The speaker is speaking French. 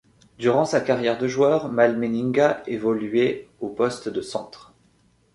Durant sa carrière de joueur, Mal Meninga évoluait au poste de centre.